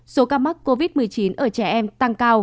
số ca mắc covid một mươi chín ở trẻ em tăng cao